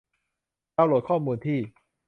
ดาวน์โหลดข้อมูลที่